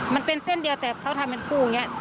มันเป็นเส้นเดียวแต่เขาทำเป็นกุ้งอย่างนี้